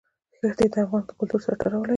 ښتې د افغان کلتور سره تړاو لري.